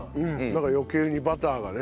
なんか余計にバターがね。